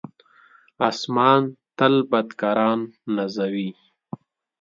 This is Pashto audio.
آسمان تل بدکاران نازوي.